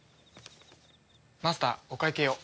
マスターお会計を。